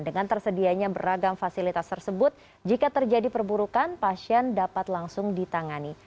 dengan tersedianya beragam fasilitas tersebut jika terjadi perburukan pasien dapat langsung ditangani